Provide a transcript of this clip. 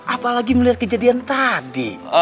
apalagi melihat kejadian tadi